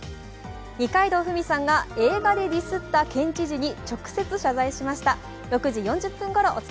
二階堂ふみさんが映画でディスった県知事に直接取材しました。